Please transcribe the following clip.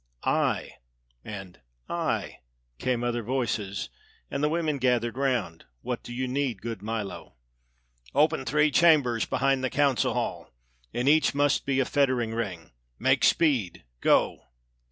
"I " and "I " came other voices, and the women gathered around. "What do you need, good Milo?" "Open three chambers behind the council hall. In each must be a fettering ring. Make speed. Go!"